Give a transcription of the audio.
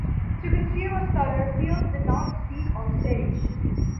To conceal a stutter, Fields did not speak onstage.